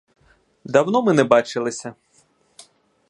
Давно ми не бачилися.